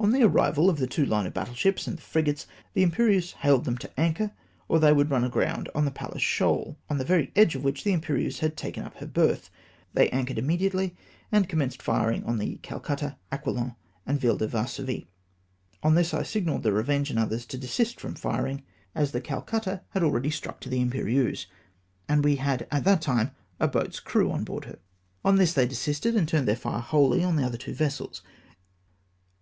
On the arrival of the two line of battle ships and the frigates, the Imperieuse hailed them to anchor, or they would run aground on the Palles Shoal, on the very edge of which the Imperieuse had taken up her berth. They anchored immediately and commenced firing on the Calcutta., Aquilon, and Ville de Varsovie. On this I signalled the Revenge and others to desist from firing, as the Calcutta had already struck to the Im THE AQUILON AND VILLE DE VARSOVIE STRIKE. 389 perieuse, and we had at that time a boat's crew on board her. On this thej desisted, and turned their fire whoUy on the other two vessels.